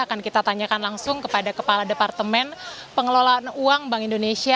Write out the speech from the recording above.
akan kita tanyakan langsung kepada kepala departemen pengelolaan uang bank indonesia